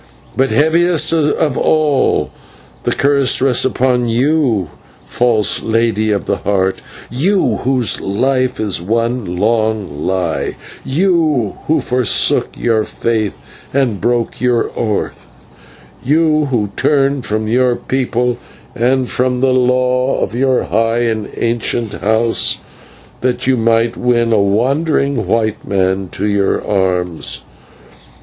But heaviest of all does the curse rest upon you, false Lady of the Heart, you, whose life is one long lie; you, who forsook your faith and broke your oath; you, who turned you from your people and from the law of your high and ancient house, that you might win a wandering white man to your arms.